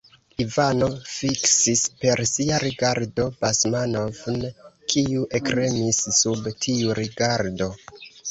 Ivano fiksis per sia rigardo Basmanov'n, kiu ektremis sub tiu rigardo.